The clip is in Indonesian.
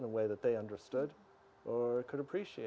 apa yang kita sebutkan hari ini